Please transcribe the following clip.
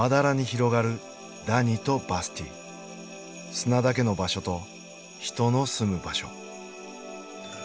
砂だけの場所と人の住む場所。